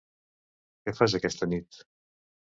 què fas aquesta nit?